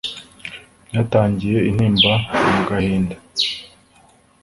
Byatangiye intimba mu gahinda